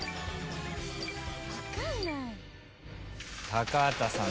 高畑さん